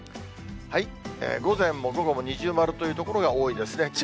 午前も午後も二重丸という所が多いですね。